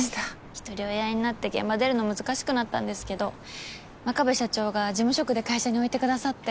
ひとり親になって現場出るの難しくなったんですけど真壁社長が事務職で会社に置いてくださって。